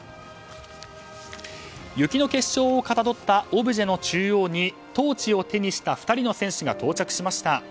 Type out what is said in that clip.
雪の結晶をかたどったオブジェの中央にトーチを手にした２人の選手が到着しました。